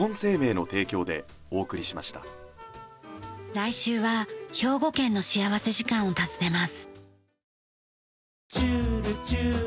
来週は兵庫県の幸福時間を訪ねます。